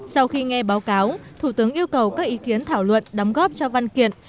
sau khi nghe báo cáo thủ tướng yêu cầu các ý kiến thảo luận đóng góp cho văn kiện